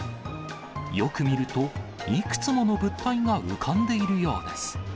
よく見ると、いくつもの物体が浮かんでいるようです。